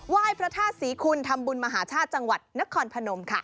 ยพระธาตุศรีคุณทำบุญมหาชาติจังหวัดนครพนมค่ะ